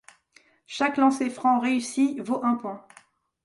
Chaque lancer-franc réussi vaut un point.